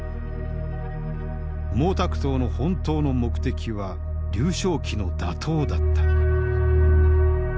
毛沢東の本当の目的は劉少奇の打倒だった。